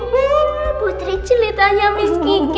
bu putri cilitanya miss kiki